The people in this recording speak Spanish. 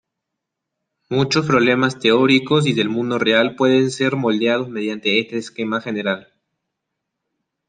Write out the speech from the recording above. Muchos problemas teóricos y del mundo real pueden ser modelados mediante este esquema general.